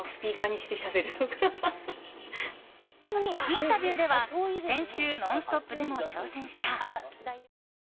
インタビューでは、先週「ノンストップ！」でも挑戦した。